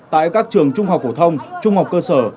tại các trường trung học phổ thông trung học cơ sở